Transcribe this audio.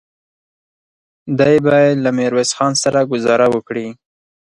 دی بايد له ميرويس خان سره ګذاره وکړي.